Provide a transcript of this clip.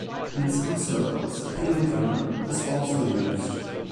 In some circles, "Tail Gunner" is also used.